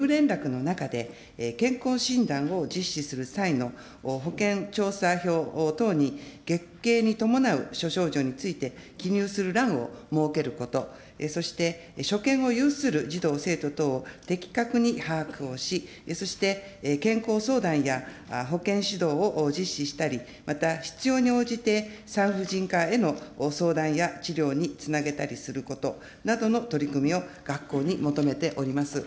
この事務連絡の中で健康診断を実施する際の保健調査票等に月経に伴う諸症状について記入する欄を設けること、そして、しょけんを有する児童・生徒等を的確に把握をし、そして健康相談や保健指導を実施したり、また必要に応じて産婦人科への相談や治療につなげたりすることなどの、取り組みを学校に求めております。